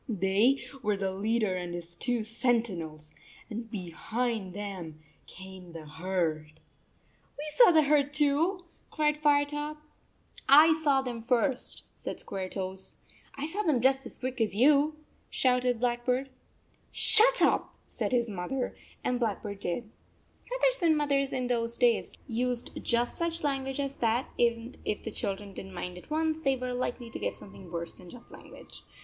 They were the leader and his two sentinels, and behind them came the herd." "We saw the herd, too," cried Firetop. "I saw them first," said Squaretoes. "I saw them just as quick as you," shouted Blackbird. "Shut up," said his mother, and Black bird did. Fathers and mothers in those days used just such language as that, and 37 if the children did n t mind at once, they were likely to get something worse than just language.